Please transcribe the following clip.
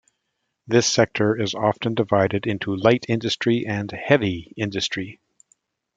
This sector is often divided into light industry and heavy industry.